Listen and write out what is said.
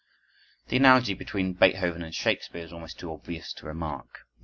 The analogy between Beethoven and Shakespeare is almost too obvious for remark.